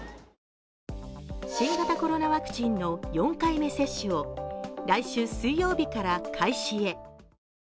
新型コロナワクチンの４回目接種を来週水曜日から開始へ。